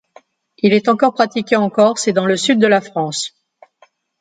Il est encore pratiqué en Corse et dans le Sud de la France.